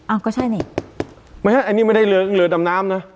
อ้าวก็ใช่นี่ไม่ฮะอันนี้ไม่ได้เหลือกันเหลือดำน้ำน้ำนะ